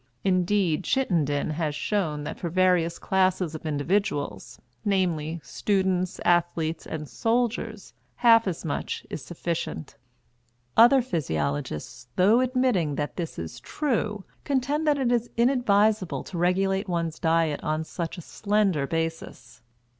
Indeed, Chittenden has shown that for various classes of individuals, namely, students, athletes and soldiers, half as much is sufficient. Other physiologists, though admitting that this is true, contend that it is inadvisable to regulate one's diet on such a slender basis.